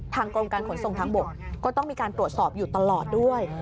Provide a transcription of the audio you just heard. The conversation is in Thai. กรมการขนส่งทางบกก็ต้องมีการตรวจสอบอยู่ตลอดด้วย